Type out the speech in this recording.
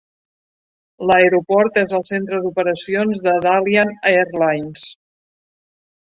L'aeroport és el centre d'operacions de Dalian Airlines.